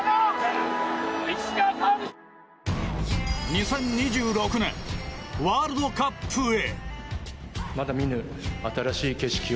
２０２６年ワールドカップへ。